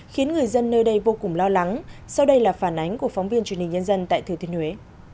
khiến người dân nơi đây vô cùng lo lắng sau đây là phản ánh của phóng viên truyền hình nhân dân tại thừa thiên huế